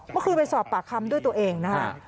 เมื่อคืนไปสอบปากคำด้วยตัวเองนะฮะ